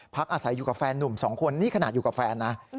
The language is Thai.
อาศัยอยู่กับแฟนนุ่ม๒คนนี่ขนาดอยู่กับแฟนนะ